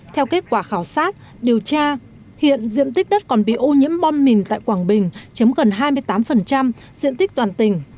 theo kết quả khảo sát điều tra hiện diện tích đất còn bị ô nhiễm bom mìn tại quảng bình chiếm gần hai mươi tám diện tích toàn tỉnh